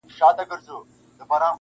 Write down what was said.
بې له سُره چي پر هر مقام ږغېږي،